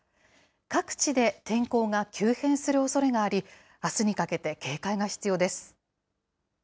各地で天候が急変するおそれがあり、あすにかけて警戒が必要です。